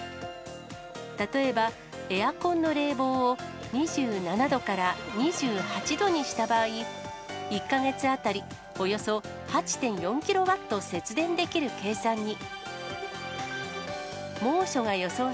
例えば、エアコンの冷房を２７度から２８度にした場合、１か月当たりおよそ８．４キロワット節電できる計算に。